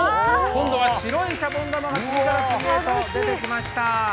今度は白いシャボン玉が次から次へと出てきました。